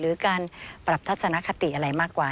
หรือการปรับทัศนคติอะไรมากกว่า